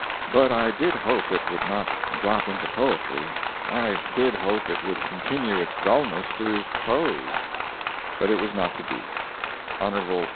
But I did hope it would not "drop into poetry;" I did hope it would continue its dullness to prose. But it was not to be. Hon.